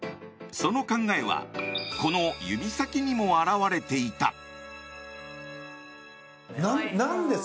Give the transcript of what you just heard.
その考えはこの指先にも表れていた。